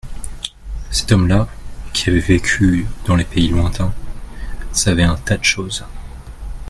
Cet homme-là, qui avait vécu dans les pays lontains, savait un tas de choses.